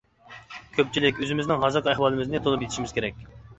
كۆپچىلىك ئۆزىمىزنىڭ ھازىرقى ئەھۋالىمىزنى تونۇپ يېتىشىمىز كېرەك.